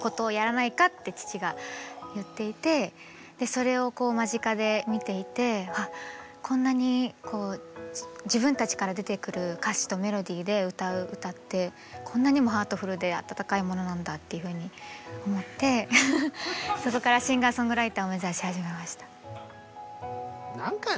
それをこう間近で見ていてこんなに自分たちから出てくる歌詞とメロディーで歌う歌ってこんなにもハートフルで温かいものなんだっていうふうに思ってそこからシンガーソングライターを目指し始めました。